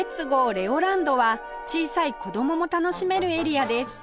レオランドは小さい子供も楽しめるエリアです